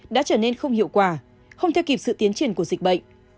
đã trở nên không hiệu quả không theo kịp sự tiến triển của dịch bệnh